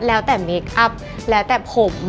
แล้วแต่เมคอัพแล้วแต่ผม